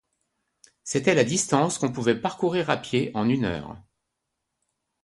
C’était la distance qu’on pouvait parcourir à pied en une heure.